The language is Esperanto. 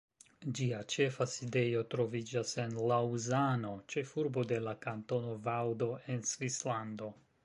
Ĝia ĉefa sidejo troviĝas en Laŭzano, ĉefurbo de la Kantono Vaŭdo en Svislando.